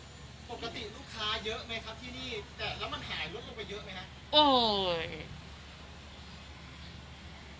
ปกติลูกค้าเยอะไหมครับที่นี่แต่แล้วมันหายลดลงไปเยอะไหมครับ